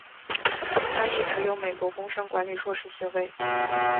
他亦持有美国工商管理硕士学位。